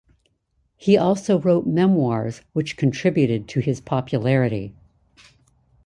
He also wrote memoirs which contributed to his popularity.